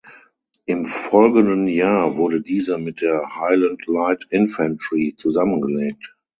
Im folgenden Jahr wurde diese mit der "Highland Light Infantry" zusammengelegt.